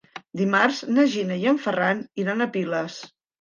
Dimarts na Gina i en Ferran iran a Piles.